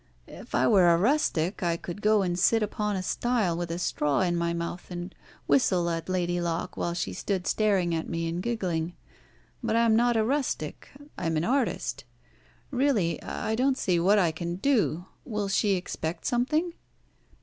If I were a rustic I could go and sit upon a stile with a straw in my mouth, and whistle at Lady Locke, while she stood staring at me and giggling. But I am not a rustic I am an artist. Really, I don't see what I can do. Will she expect something?"